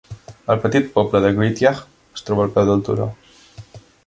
El petit poble de "Greetiagh" es troba al peu del turó.